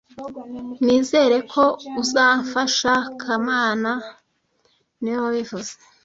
Nizere ko uzamfasha kamana niwe wabivuze